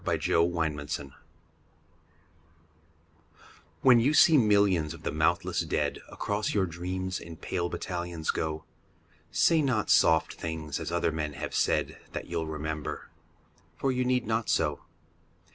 XCI The Army of Death WHEN you see millions of the mouthless dead Across your dreams in pale battalions go, Say not soft things as other men have said, That you'll remember. For you need not so.